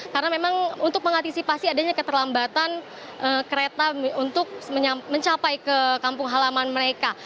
karena memang untuk mengantisipasi adanya keterlambatan kereta untuk mencapai ke kampung halaman mereka